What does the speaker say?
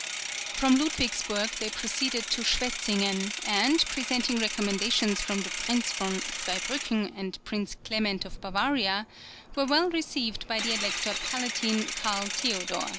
From Ludwigsburg they proceeded to Schwetzingen, and presenting recommendations from the Prince von Zweibrücken and Prince Clement of Bavaria, were well received by the Elector Palatine Karl Theodor.